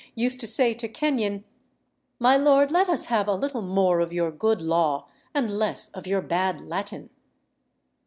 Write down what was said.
used to say to Kenyon, "My Lord, let us have a little more of your good law, and less of your bad Latin."